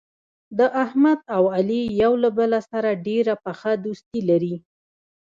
د احمد او علي یو له بل سره ډېره پخه دوستي لري.